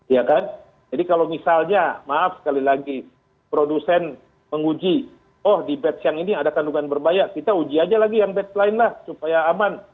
ya kan jadi kalau misalnya maaf sekali lagi produsen menguji oh di batch yang ini ada kandungan berbayar kita uji aja lagi yang batline lah supaya aman